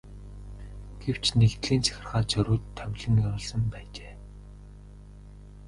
Гэвч нэгдлийн захиргаа зориуд томилон явуулсан байжээ.